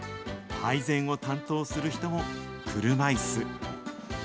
配膳を担当する人も車いす。